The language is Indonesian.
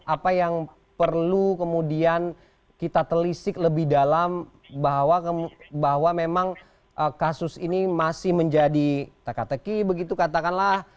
apa yang perlu kemudian kita telisik lebih dalam bahwa memang kasus ini masih menjadi teka teki begitu katakanlah